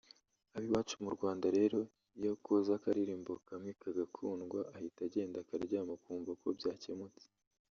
Ab’iwacu mu Rwanda rero iyo akoze akaririmbo kamwe kagakundwa ahita agenda akaryama akumva ko byakemutse